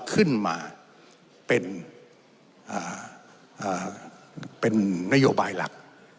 ขึ้นมาเป็นนโยบายหลัก